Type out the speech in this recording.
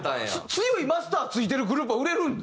強いマスター付いてるグループは売れるんだ！